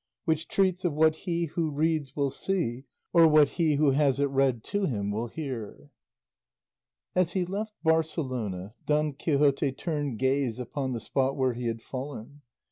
WHICH TREATS OF WHAT HE WHO READS WILL SEE, OR WHAT HE WHO HAS IT READ TO HIM WILL HEAR As he left Barcelona, Don Quixote turned gaze upon the spot where he had fallen.